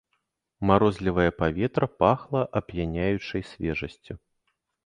Марозлівае паветра пахла ап'яняючай свежасцю.